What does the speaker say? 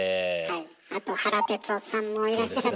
あと原哲男さんもいらっしゃったし。